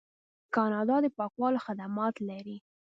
کاناډا د پاکولو خدمات لري.